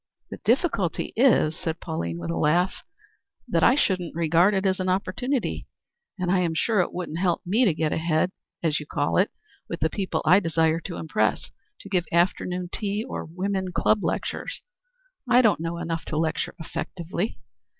"The difficulty is," said Pauline, with a laugh, "that I shouldn't regard it as an opportunity, and I am sure it wouldn't help me to get ahead, as you call it, with the people I desire to impress, to give afternoon tea or women club lectures. I don't know enough to lecture effectively.